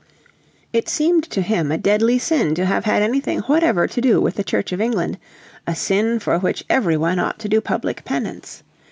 It seemed to him a deadly sin to have had anything whatever to do with the Church of England, a sin for which every one ought to do public penance.